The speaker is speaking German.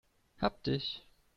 Hab dich!